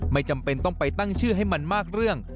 ไม่จำเป็นต้องไปตั้งชื่อให้มันมากเรื่อง